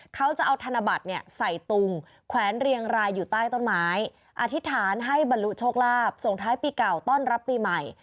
เขาจะเอาธนบัตรเนี่ยใส่ตุงแขวนเรียงรายอยู่ใต้ต้นไม้อธิษฐานให้บรรลุโชคลาภส่งท้ายปีเก่าต้อนรับปีใหม่